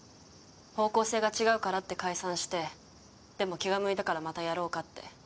方向性が違うからって解散してでも気が向いたからまたやろうかって。